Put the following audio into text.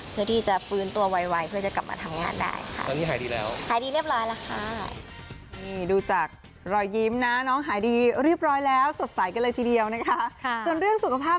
เพื่อที่จะฟื้นตัวไวเพื่อจะกลับมาทำงานได้ค่ะ